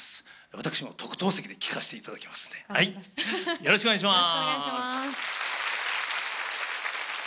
私も特等席で聴かせていただきますんでよろしくお願いします！